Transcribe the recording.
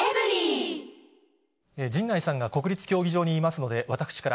陣内さんが国立競技場にいますので、私から。